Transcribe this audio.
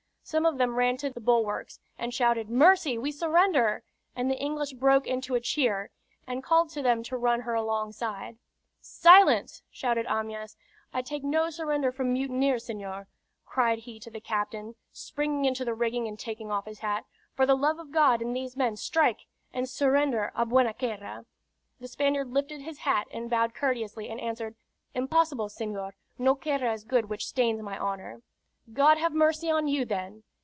Some of them ran to the bulwarks, and shouted "Mercy! We surrender!" and the English broke into a cheer and called to them to run her alongside. "Silence!" shouted Amyas. "I take no surrender from mutineers. Seńor," cried he to the captain, springing into the rigging and taking off his hat, "for the love of God and these men, strike! and surrender á buena querra." The Spaniard lifted his hat and bowed courteously, and answered, "Impossible, seńor. No querra is good which stains my honor." "God have mercy on you, then!"